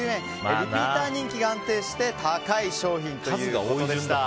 リピーター人気が安定して高い商品ということでした。